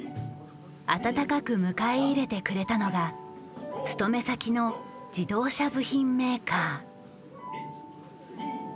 温かく迎え入れてくれたのが勤め先の自動車部品メーカー。